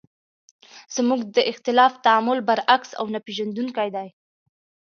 زموږ د اختلاف تعامل برعکس او نه پېژندونکی دی.